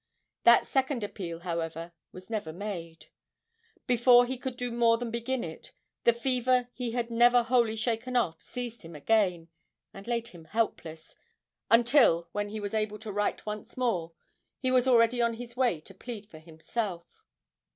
That second appeal, however, was never made. Before he could do more than begin it, the fever he had never wholly shaken off seized him again and laid him helpless, until, when he was able to write once more, he was already on his way to plead for himself.